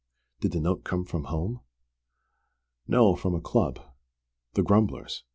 '" "Did the note come from home?" "No, from a club: the 'Grumblers'.